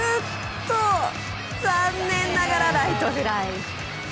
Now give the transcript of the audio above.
残念ながらライトフライ。